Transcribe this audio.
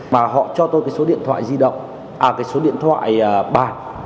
mà họ cho tôi cái số điện thoại di động à cái số điện thoại bản